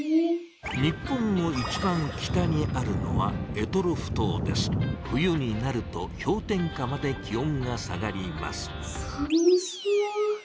日本の一番北にあるのは冬になるとひょう点下まで気おんが下がりますさむそう。